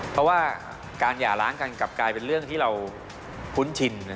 เพราะว่าการหย่าล้างกันกลับกลายเป็นเรื่องที่เราคุ้นชิน